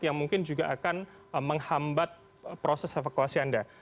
yang mungkin juga akan menghambat proses evakuasi anda